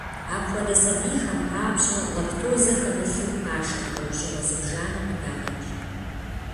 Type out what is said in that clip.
Апхуэдэ сабийхэм папщӀэ лактозэ хэмылъу кашэ лӀэужьыгъуэ зыбжанэ къыдагъэкӀ.